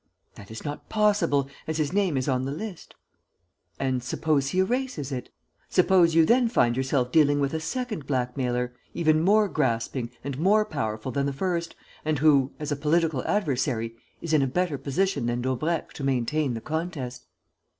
"That is not possible, as his name is on the list." "And suppose he erases it? Suppose you then find yourself dealing with a second blackmailer, even more grasping and more powerful than the first and one who, as a political adversary, is in a better position than Daubrecq to maintain the contest?"